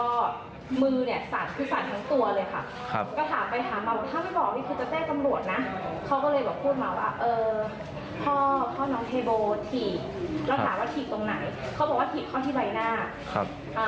แต่ผ้าส้มสอนปิดเนี่ยคือน้องโดนคือโดนเยอะมากค่ะ